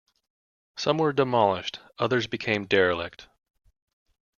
Some were demolished, others became derelict.